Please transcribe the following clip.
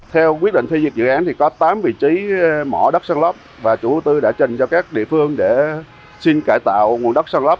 theo quyết định phê duyệt dự án thì có tám vị trí mỏ đất sát lấp và chủ tư đã trình cho các địa phương để xin cải tạo nguồn đất sát lấp